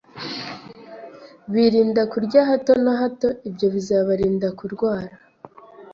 birinda kurya hato na hato, ibyo bizabarinda kurwara.